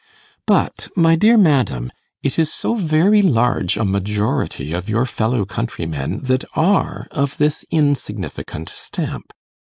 But, my dear madam, it is so very large a majority of your fellow countrymen that are of this insignificant stamp.